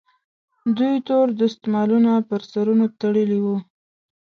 دوی تور دستمالونه پر سرونو تړلي وي.